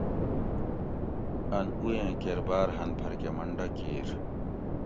ان اویئں کیر باۤر ھن پھر کہ منڈہ کِیر